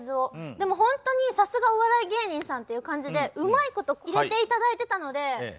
でもホントにさすがお笑い芸人さんっていう感じでうまいこと入れて頂いてたので。